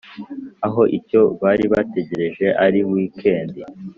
aho icyo baribategereje ari weekend